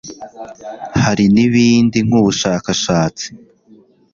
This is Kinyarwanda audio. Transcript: hari n'ibindi nk'ubushakashatsi